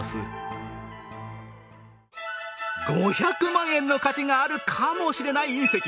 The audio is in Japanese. ５００万円の価値があるかもしれない隕石。